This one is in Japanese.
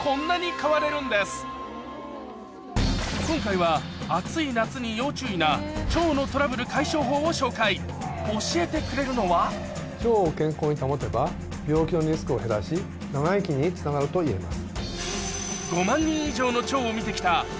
今回は解消法を紹介教えてくれるのは腸を健康に保てば病気のリスクを減らし長生きにつながるといえます。